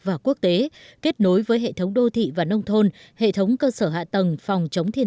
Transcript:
và quốc tế kết nối với hệ thống đô thị và nông thôn hệ thống cơ sở hạ tầng phòng chống thiên